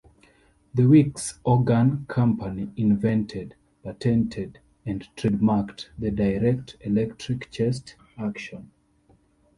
The Wicks Organ Company invented, patented, and trademarked the Direct Electric chest action.